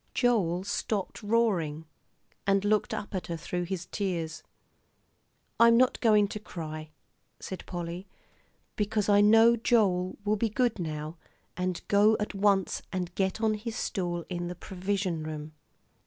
Joel stopped roaring, and looked up at her through his tears. "I'm not going to cry," said Polly, "because I know Joel will be good now, and go at once and get on his stool in the provision room."